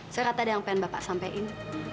saya kata ada yang pengen bapak sampein